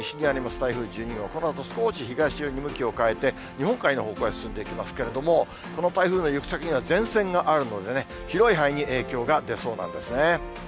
台風１２号、このあと少し東寄りに向きを変えて、日本海の方向へ進んでいきますけれども、この台風の行く先には前線があるのでね、広い範囲に影響が出そうなんですね。